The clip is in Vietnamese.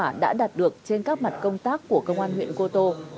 kết quả đã đạt được trên các mặt công tác của công an huyện cô tô